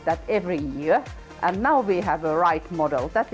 dan sekarang kami memiliki model yang benar